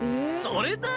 それだ！